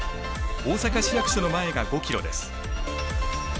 大阪市役所の前が５ｋｍです。